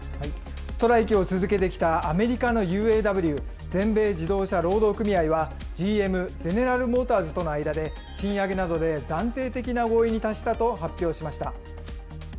ストライキを続けてきたアメリカのＵＡＷ・全米自動車労働組合は、ＧＭ・ゼネラル・モーターズとの間で、賃上げなどで暫定的な合意に達したと発表しました。